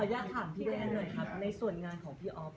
อยากถามพี่แดนหน่อยครับในส่วนงานของพี่อ๊อฟ